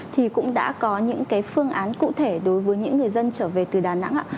thì cũng đã có những cái phương án cụ thể đối với những người dân trở về từ đà nẵng